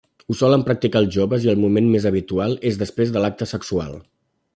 Ho solen practicar els joves i el moment més habitual, és després de l'acte sexual.